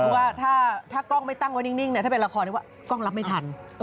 เพราะว่าถ้ากล้องไม่ตั้งไว้นิ่งถ้าเป็นละครกล้องรับไม่ทัน